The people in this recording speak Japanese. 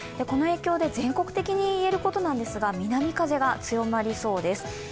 この影響で全国的に言えることなんですが、南風が強まりそうです。